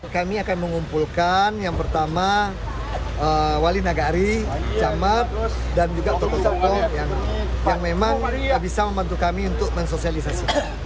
kami akan mengumpulkan yang pertama wali nagari camat dan juga tokoh tokoh yang memang bisa membantu kami untuk mensosialisasikan